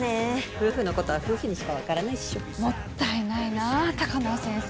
夫婦のことは夫婦にしかわからないっしょもったいないなぁ高輪先生